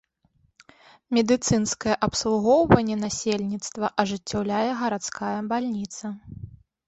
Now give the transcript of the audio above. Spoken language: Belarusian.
Медыцынскае абслугоўванне насельніцтва ажыццяўляе гарадская бальніца.